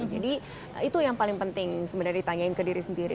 jadi itu yang paling penting sebenarnya ditanyain ke diri sendiri